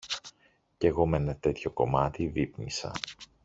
Κι εγώ μ' ένα τέτοιο κομμάτι δείπνησα.